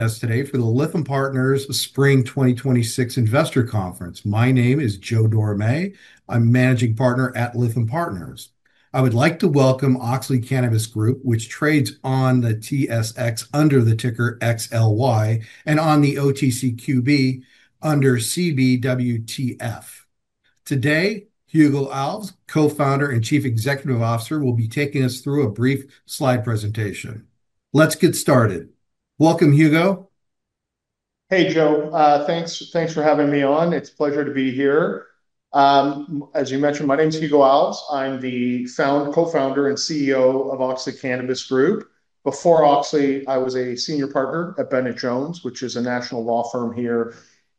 Us today for the Lytham Partners Spring 2026 Investor Conference. My name is Joe Dorame. I'm Managing Partner at Lytham Partners. I would like to welcome Auxly Cannabis Group, which trades on the TSX under the ticker XLY, and on the OTCQB under CBWTF. Today, Hugo Alves, Co-Founder and Chief Executive Officer, will be taking us through a brief slide presentation. Let's get started. Welcome, Hugo. Hey, Joe. Thanks for having me on. It's a pleasure to be here. As you mentioned, my name's Hugo Alves. I'm the Co-Founder and CEO of Auxly Cannabis Group. Before Auxly, I was a senior partner at Bennett Jones, which is a national law firm here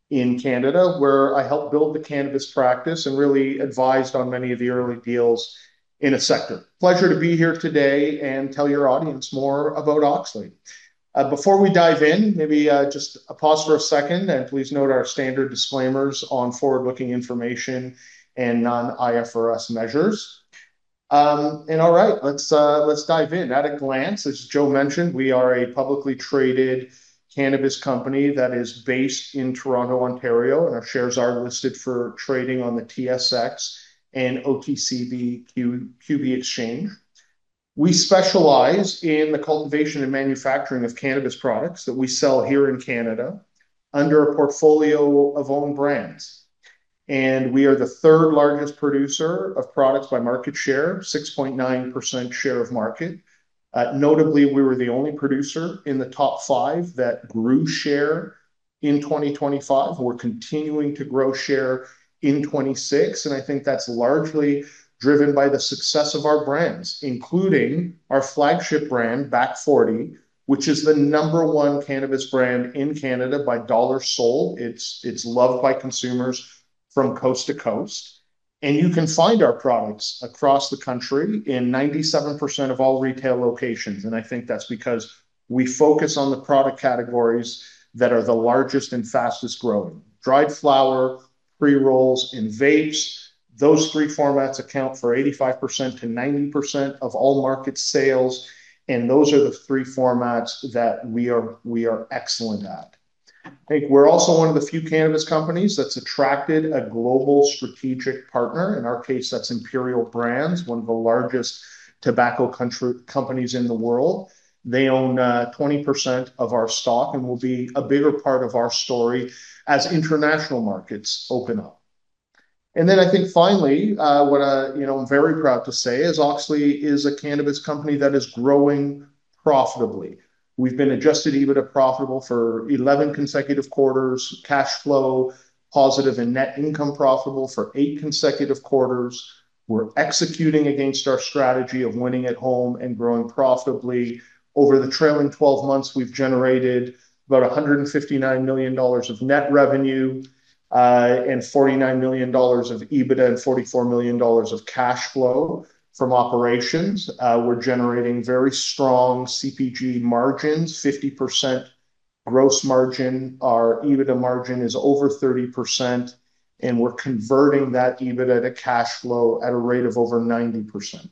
in Canada, where I helped build the cannabis practice and really advised on many of the early deals in the sector. Pleasure to be here today to tell your audience more about Auxly. Before we dive in, maybe just pause for a second and please note our standard disclaimers on forward-looking information and non-IFRS measures. All right, let's dive in. At a glance, as Joe mentioned, we are a publicly traded cannabis company that is based in Toronto, Ontario, and our shares are listed for trading on the TSX and OTCQB exchange. We specialize in the cultivation and manufacturing of cannabis products that we sell here in Canada under a portfolio of own brands. We are the third largest producer of products by market share, 6.9% share of market. Notably, we were the only producer in the top five that grew share in 2025. We're continuing to grow share in 2026, and I think that's largely driven by the success of our brands, including our flagship brand, Back Forty, which is the number one cannabis brand in Canada by dollars sold. It's loved by consumers from coast to coast, you can find our products across the country in 97% of all retail locations. I think that's because we focus on the product categories that are the largest and fastest-growing. Dried flower, pre-rolls, and vapes. Those three formats account for 85%-90% of all market sales, those are the three formats that we are excellent at. I think we're also one of the few cannabis companies that's attracted a global strategic partner. In our case, that's Imperial Brands, one of the largest tobacco companies in the world. They own 20% of our stock will be a bigger part of our story as international markets open up. I think finally, what I'm very proud to say is Auxly is a cannabis company that is growing profitably. We've been adjusted EBITDA profitable for 11 consecutive quarters, cash flow positive and net income profitable for eight consecutive quarters. We're executing against our strategy of winning at home and growing profitably. Over the trailing 12 months, we've generated about 159 million dollars of net revenue, 49 million dollars of EBITDA, and 44 million dollars of cash flow from operations. We're generating very strong CPG margins, 50% gross margin. Our EBITDA margin is over 30%. We're converting that EBITDA to cash flow at a rate of over 90%.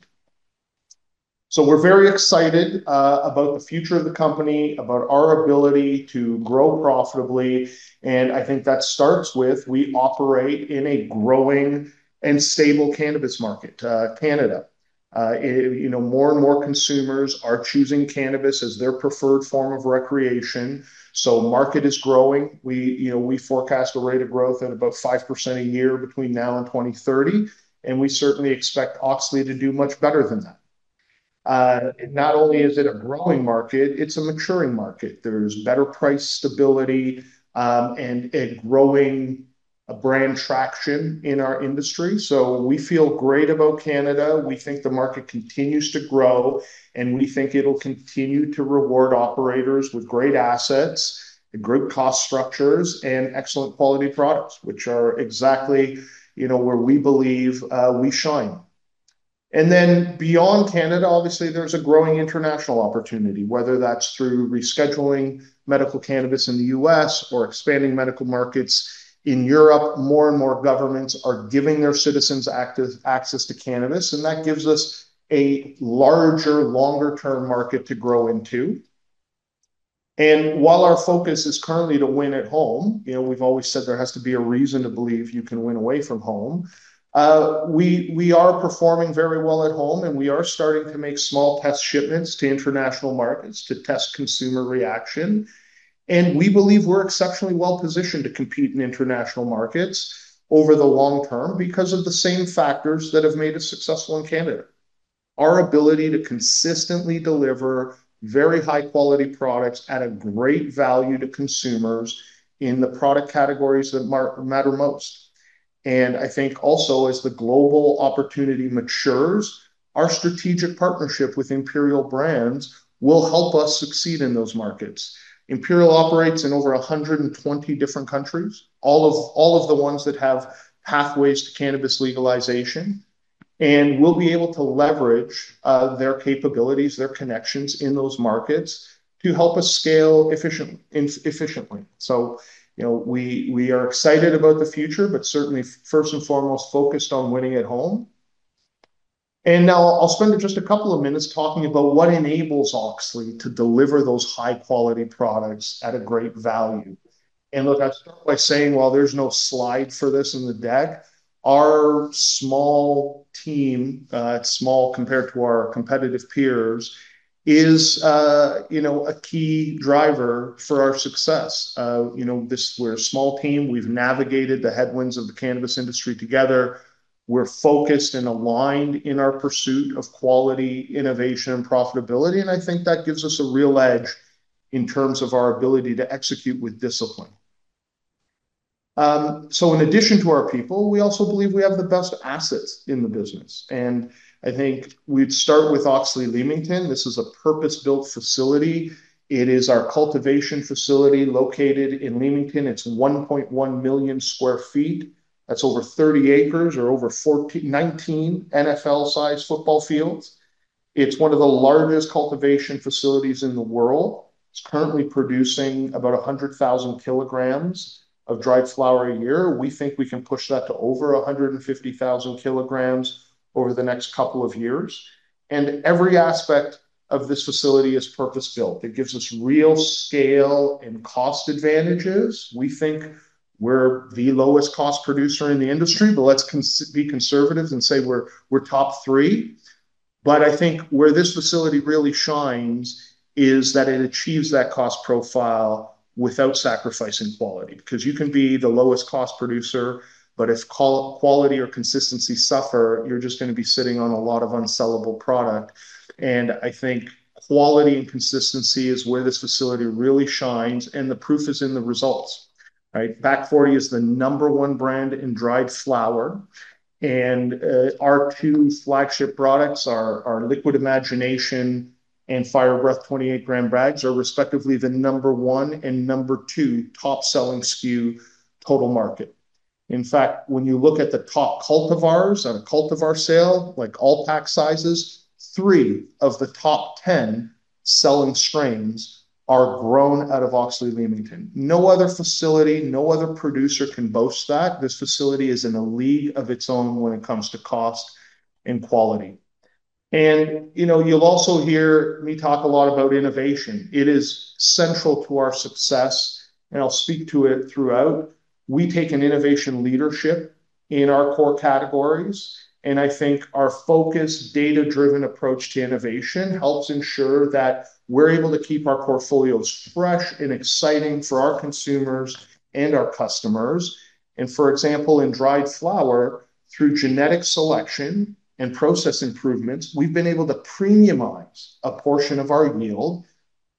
We're very excited about the future of the company, about our ability to grow profitably. I think that starts with we operate in a growing and stable cannabis market. Canada. More and more consumers are choosing cannabis as their preferred form of recreation. The market is growing. We forecast a rate of growth at about 5% a year between now and 2030. We certainly expect Auxly to do much better than that. Not only is it a growing market, it's a maturing market. There's better price stability, and a growing brand traction in our industry. We feel great about Canada. We think the market continues to grow, and we think it'll continue to reward operators with great assets, great cost structures, and excellent quality products, which are exactly where we believe we shine. Beyond Canada, obviously, there's a growing international opportunity, whether that's through rescheduling medical cannabis in the U.S. or expanding medical markets in Europe. More and more governments are giving their citizens access to cannabis, and that gives us a larger, longer-term market to grow into. While our focus is currently to win at home, we've always said there has to be a reason to believe you can win away from home. We are performing very well at home, and we are starting to make small test shipments to international markets to test consumer reaction. We believe we're exceptionally well-positioned to compete in international markets over the long term because of the same factors that have made us successful in Canada. Our ability to consistently deliver very high-quality products at a great value to consumers in the product categories that matter most. I think also, as the global opportunity matures, our strategic partnership with Imperial Brands will help us succeed in those markets. Imperial operates in over 120 different countries, all of the ones that have pathways to cannabis legalization, and we'll be able to leverage their capabilities, their connections in those markets to help us scale efficiently. We are excited about the future, but certainly first and foremost, focused on winning at home. I'll spend just a couple of minutes talking about what enables Auxly to deliver those high-quality products at a great value. Look, I'll start by saying, while there's no slide for this in the deck, our small team, small compared to our competitive peers, is a key driver for our success. We're a small team. We've navigated the headwinds of the cannabis industry together. We're focused and aligned in our pursuit of quality, innovation, and profitability, and I think that gives us a real edge in terms of our ability to execute with discipline. In addition to our people, we also believe we have the best assets in the business, and I think we'd start with Auxly Leamington. This is a purpose-built facility. It is our cultivation facility located in Leamington. It's 1.1 million sq ft. That's over 30 acres or over 19 NFL size football fields. It's one of the largest cultivation facilities in the world. It's currently producing about 100,000 kg of dried flower a year. We think we can push that to over 150,000 kg over the next couple of years. Every aspect of this facility is purpose-built. It gives us real scale and cost advantages. We think we're the lowest cost producer in the industry, but let's be conservative and say we're top three. I think where this facility really shines is that it achieves that cost profile without sacrificing quality. Because you can be the lowest cost producer, but if quality or consistency suffer, you're just going to be sitting on a lot of unsellable product. I think quality and consistency is where this facility really shines, and the proof is in the results, right. Back Forty is the number one brand in dried flower, and our two flagship products are our Liquid Imagination and Fire Breath 28 g bags are respectively the number one and number two top-selling SKU total market. In fact, when you look at the top cultivars on a cultivar sale, like all pack sizes, three of the top 10 selling strains are grown out of Auxly Leamington. No other facility, no other producer can boast that. This facility is in a league of its own when it comes to cost and quality. You'll also hear me talk a lot about innovation. It is central to our success, and I'll speak to it throughout. We take an innovation leadership in our core categories, and I think our focused, data-driven approach to innovation helps ensure that we're able to keep our portfolios fresh and exciting for our consumers and our customers. For example, in dried flower, through genetic selection and process improvements, we've been able to premiumize a portion of our yield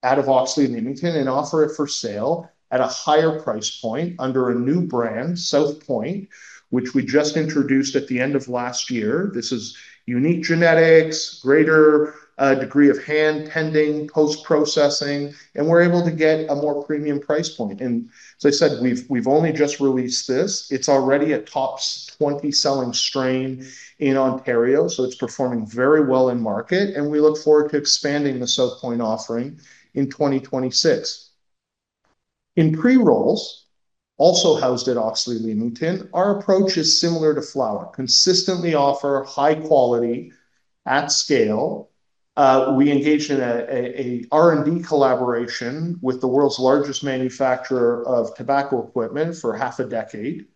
out of Auxly Leamington and offer it for sale at a higher price point under a new brand, South Point, which we just introduced at the end of last year. This is unique genetics, greater degree of hand pending, post-processing, and we're able to get a more premium price point. As I said, we've only just released this. It's already a top 20 selling strain in Ontario, so it's performing very well in market and we look forward to expanding the South Point offering in 2026. In pre-rolls, also housed at Auxly Leamington, our approach is similar to flower. Consistently offer high quality at scale. We engaged in a R&D collaboration with the world's largest manufacturer of tobacco equipment for half a decade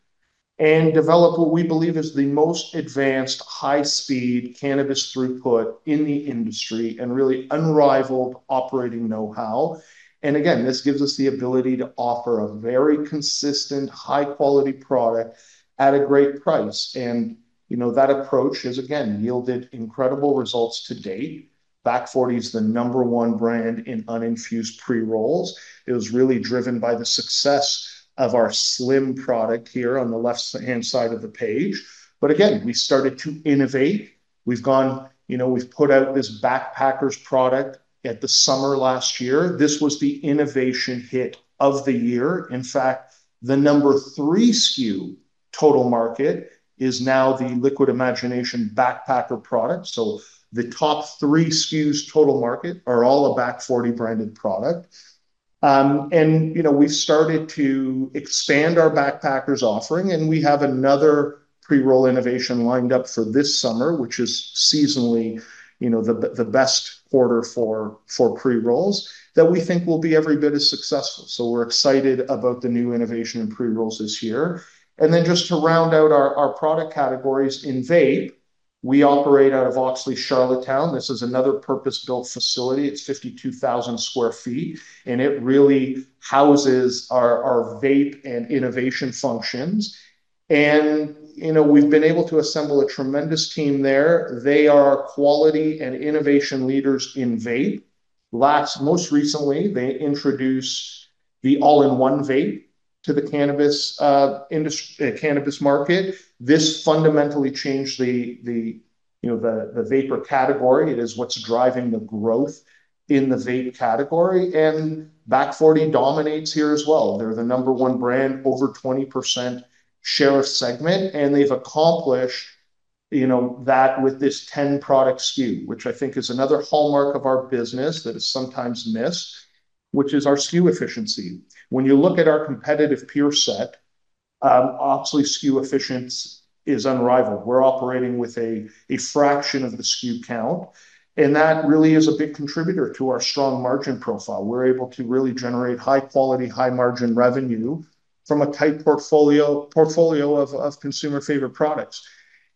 and developed what we believe is the most advanced high-speed cannabis throughput in the industry and really unrivaled operating know-how. Again, this gives us the ability to offer a very consistent, high-quality product at a great price. That approach has, again, yielded incredible results to date. Back Forty is the number one brand in uninfused pre-rolls. It was really driven by the success of our slim product here on the left-hand side of the page. Again, we started to innovate. We've put out this Backpackers product at the summer last year. This was the innovation hit of the year. In fact, the number three SKU total market is now the Liquid Imagination Backpackers product. The top three SKUs total market are all a Back Forty branded product. We've started to expand our Backpackers offering, and we have another pre-roll innovation lined up for this summer, which is seasonally the best quarter for pre-rolls that we think will be every bit as successful. We're excited about the new innovation in pre-rolls this year. Just to round out our product categories in vape, we operate out of Auxly Charlottetown. This is another purpose-built facility. It's 52,000 sq ft, and it really houses our vape and innovation functions. We've been able to assemble a tremendous team there. They are quality and innovation leaders in vape. Most recently, they introduced the all-in-one vape to the cannabis market. This fundamentally changed the vapor category. It is what's driving the growth in the vape category, and Back Forty dominates here as well. They're the number one brand, over 20% share of segment, they've accomplished that with this 10-product SKU, which I think is another hallmark of our business that is sometimes missed, which is our SKU efficiency. When you look at our competitive peer set, Auxly SKU efficiency is unrivaled. We're operating with a fraction of the SKU count, that really is a big contributor to our strong margin profile. We're able to really generate high-quality, high-margin revenue from a tight portfolio of consumer-favorite products.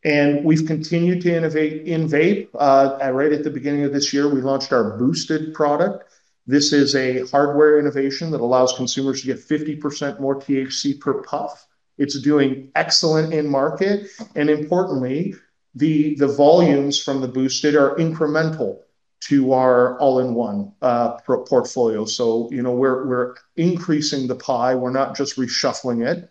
We've continued to innovate in vape. Right at the beginning of this year, we launched our boosted product. This is a hardware innovation that allows consumers to get 50% more THC per puff. It's doing excellent in market, importantly, the volumes from the boosted are incremental to our all-in-one portfolio. We're increasing the pie, we're not just reshuffling it.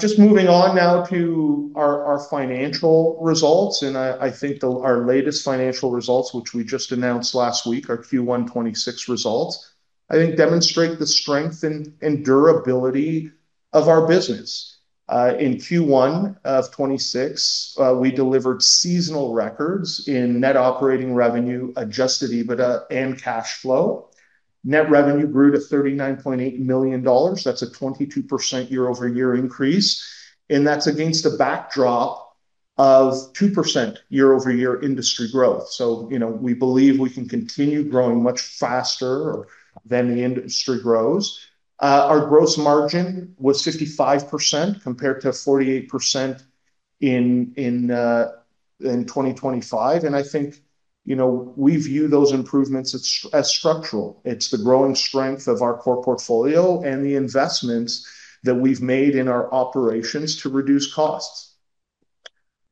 Just moving on now to our financial results. I think that our latest financial results, which we just announced last week, our Q1 2026 results, I think demonstrate the strength and durability of our business. In Q1 of 2026, we delivered seasonal records in net operating revenue, adjusted EBITDA, and cash flow. Net revenue grew to 39.8 million dollars. That's a 22% year-over-year increase. That's against a backdrop of 2% year-over-year industry growth. We believe we can continue growing much faster than the industry grows. Our gross margin was 55% compared to 48% in 2025. I think we view those improvements as structural. It's the growing strength of our core portfolio and the investments that we've made in our operations to reduce costs.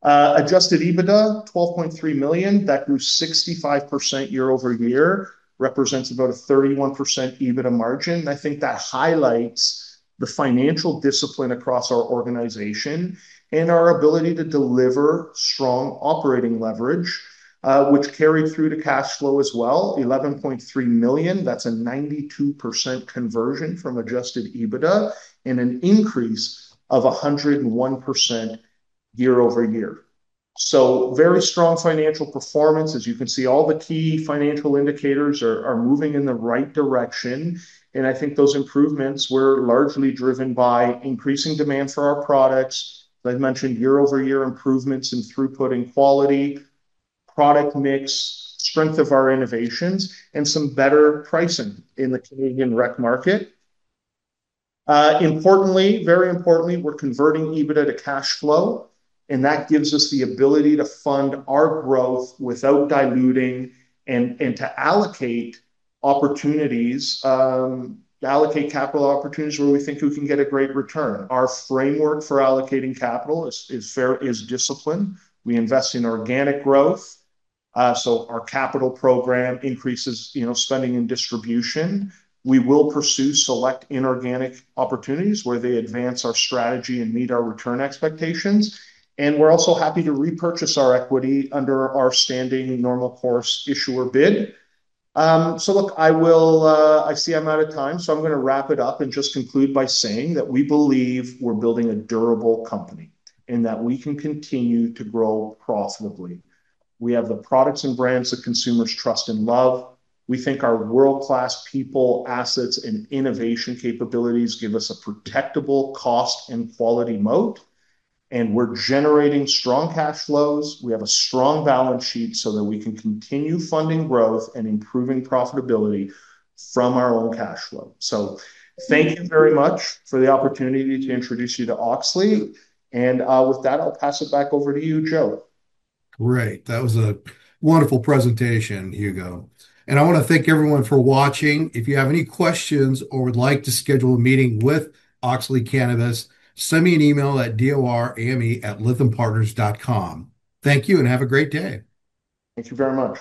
Adjusted EBITDA, 12.3 million. That grew 65% year-over-year, represents about a 31% EBITDA margin. I think that highlights the financial discipline across our organization and our ability to deliver strong operating leverage, which carried through to cash flow as well, 11.3 million. That's a 92% conversion from adjusted EBITDA and an increase of 101% year-over-year. Very strong financial performance. As you can see, all the key financial indicators are moving in the right direction, and I think those improvements were largely driven by increasing demand for our products. As I've mentioned, year-over-year improvements in throughput and quality, product mix, strength of our innovations, and some better pricing in the Canadian rec market. Importantly, very importantly, we're converting EBITDA to cash flow, and that gives us the ability to fund our growth without diluting and to allocate capital opportunities where we think we can get a great return. Our framework for allocating capital is disciplined. We invest in organic growth, so our capital program increases spending and distribution. We will pursue select inorganic opportunities where they advance our strategy and meet our return expectations. We're also happy to repurchase our equity under our standing normal course issuer bid. Look, I see I'm out of time, so I'm going to wrap it up and just conclude by saying that we believe we're building a durable company and that we can continue to grow profitably. We have the products and brands that consumers trust and love. We think our world-class people, assets, and innovation capabilities give us a protectable cost and quality moat, and we're generating strong cash flows. We have a strong balance sheet so that we can continue funding growth and improving profitability from our own cash flow. Thank you very much for the opportunity to introduce you to Auxly. With that, I'll pass it back over to you, Joe. Great. That was a wonderful presentation, Hugo. I want to thank everyone for watching. If you have any questions or would like to schedule a meeting with Auxly Cannabis, send me an email at dorame@lythampartners.com. Thank you and have a great day. Thank you very much.